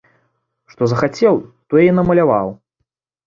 Што захацеў, тое і намаляваў!